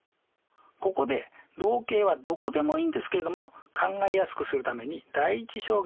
ここで動径はどこでもいいんですけれども考えやすくするために第１象限に書いておきましょう。